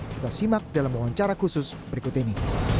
kita simak dalam wawancara khusus berikut ini